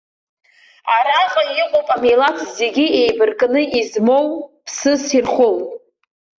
Араҟа иҟоуп амилаҭ зегь иеибаркны измоу, ԥсыс ирхоу.